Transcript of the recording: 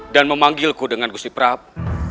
dan memanggilku dengan gusti prabu